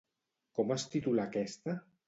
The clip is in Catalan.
Com es titula aquesta?